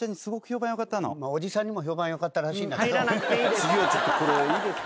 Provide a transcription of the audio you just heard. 次はちょっとこれいいですか？